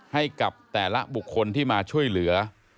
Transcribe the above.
ให้กับแต่ละบุคคลที่มาช่วยเหลือ